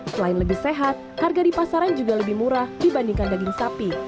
selain lebih sehat harga di pasaran juga lebih murah dibandingkan daging sapi